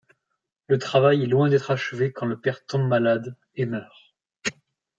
Le travail est loin d'être achevé quand le père tombe malade et meurt.